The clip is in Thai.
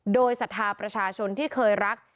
โดยศรัทธาประชาชนที่เคยรัก